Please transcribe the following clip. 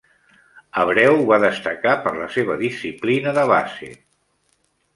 Abreu va destacar per la seva disciplina de base.